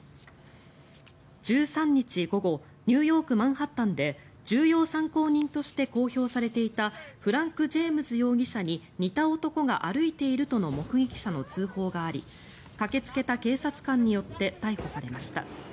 １３日午後ニューヨーク・マンハッタンで重要参考人として公表されていたフランク・ジェームズ容疑者に似た男が歩いているとの目撃者の通報があり駆けつけた警察官によって逮捕されました。